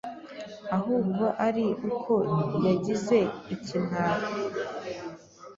ahubwo ari uko yagize ikimwaro